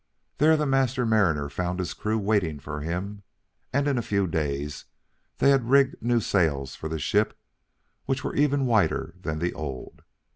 There the Master Mariner found his crew waiting for him, and in a few days they had rigged new sails for the ship which were even whiter than the old.